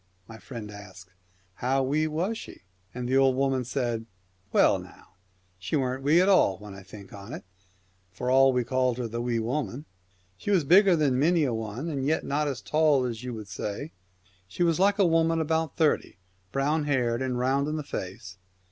My friend asked, ' How wee^was she ?' And the old woman said, ' Well now, she wasn't wee at all when I think of it, for all we called her the Wee Woman. She was bigger than many a one, and yet not tall as you would say. She was like a woman about thirty, brown haired and round in the face.